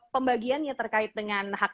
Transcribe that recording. pembagiannya terkait dengan hak